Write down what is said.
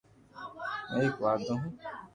ھون ايڪ واڌو ھون